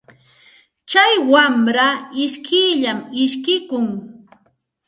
Tsay wamra ishkiyllam ishkikun.